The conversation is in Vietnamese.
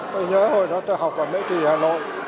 tôi nhớ hồi đó tôi học ở mỹ trì hà nội